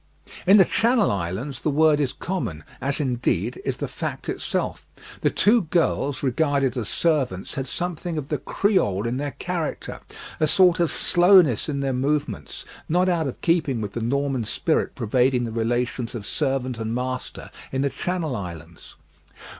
In the Channel Islands the word is common, as indeed is the fact itself. The two girl's regarded as servants had something of the Creole in their character, a sort of slowness in their movements, not out of keeping with the Norman spirit pervading the relations of servant and master in the Channel Islands.